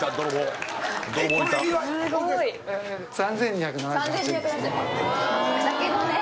３２７８円ですね。